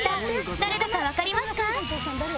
誰だかわかりますか？